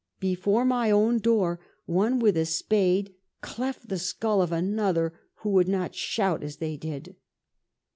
" Before my own door, one, with a spade, cleft the skull of another, who would not shout as they did."